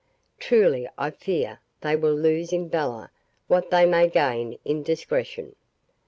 Truly, I fear they will lose in valour what they may gain in discretion.